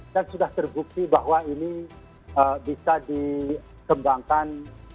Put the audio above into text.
dan sudah terbukti bahwa ini bisa dikembangkan